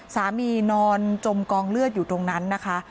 นอนจมกองเลือดอยู่ตรงนั้นนะคะ